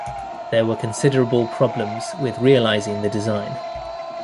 There were considerable problems with realising the design.